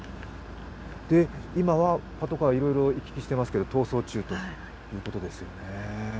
で、今はパトカーいろいろ行き来してますけど、逃走中ということですよね。